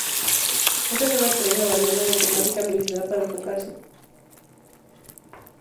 Esta nueva entrega, abandona la temática militar para enfocarse en una temática policial.